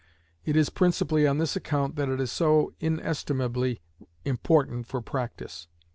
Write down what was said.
It is principally on this account that it is so inestimably important for practice.